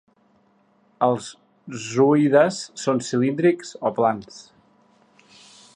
Els zooides són cilíndrics o plans.